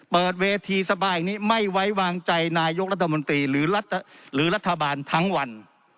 เปิดเวทีสบายอย่างนี้ไม่ไว้วางใจนายกรัฐมนตรีหรือรัฐบาลทั้งวัน